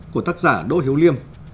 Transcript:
của tác giả đỗ hiếu liêm